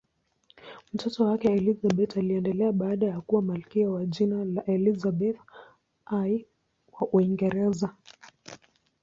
Mtoto wake Elizabeth aliendelea baadaye kuwa malkia kwa jina la Elizabeth I wa Uingereza.